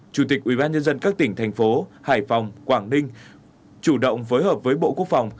ba chủ tịch ủy ban nhân dân các tỉnh thành phố hải phòng quảng ninh chủ động phối hợp với bộ quốc phòng